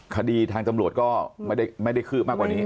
คดีทางตำรวจก็ไม่ได้คืบมากกว่านี้